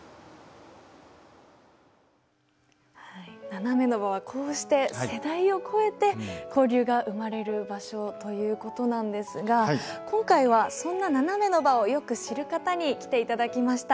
ナナメの場はこうして世代を超えて交流が生まれる場所ということなんですが今回はそんなナナメの場をよく知る方に来て頂きました。